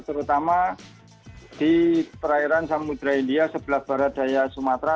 terutama di perairan samudera india sebelah barat daerah sumatra